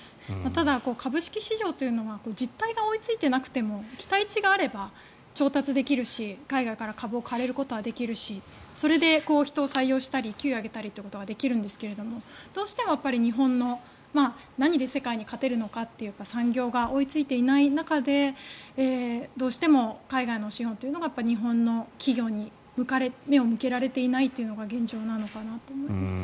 ただ、株式市場というのは実態が追いついていなくても期待値があれば、調達できるし海外から株を買うことはできるしそれで人を採用したり給料を上げたりということができるんですけどもどうしても日本が何で世界で勝てるのかという産業が追いついていない中でどうしても海外の資本が日本の企業に目を向けられていないというのが現状なのかなと思います。